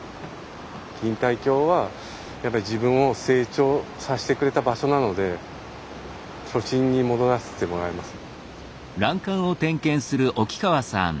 錦帯橋はやっぱり自分を成長さしてくれた場所なので初心に戻らせてもらえますね。